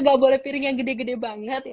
tidak boleh piring yang gede gede banget